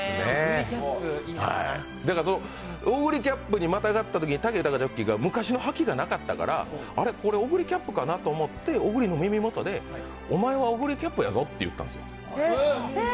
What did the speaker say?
オグリキャップにまたがったときに武豊ジョッキーが昔の覇気がなかったから、あれ、これオグリキャップかなと思って、オグリの耳元でお前はオグリキャップやぞって言ったんです。